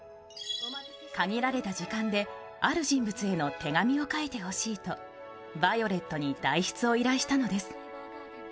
限られた時間で、ある人物への手紙を書いてほしいとヴァイオレットに代筆を依頼したのです。